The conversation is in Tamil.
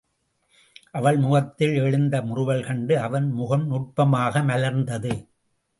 அவள் முகத்தில் எழுந்த முறுவல் கண்டு அவன் முகம் நுட்பமாக மலர்ந்தது.